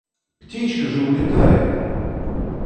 Птичка же улетает.